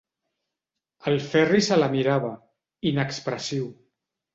El Ferri se la mirava, inexpressiu.